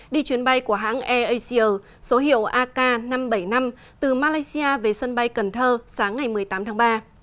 đi trên chuyến bay của hãng airasia số hiệu ak năm trăm bảy mươi năm từ malaysia về sân bay cần thơ sáng ngày một mươi tám tháng ba